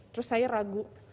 terus saya ragu